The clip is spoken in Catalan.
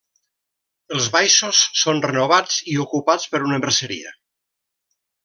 Els baixos són renovats i ocupats per una merceria.